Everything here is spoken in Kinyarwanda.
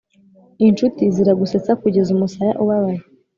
inshuti ziragusetsa kugeza umusaya ubabaye.